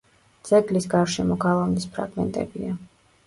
ძეგლის გარშემო გალავნის ფრაგმენტებია.